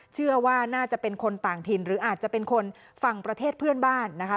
เชื่อว่าน่าจะเป็นคนต่างถิ่นหรืออาจจะเป็นคนฝั่งประเทศเพื่อนบ้านนะคะ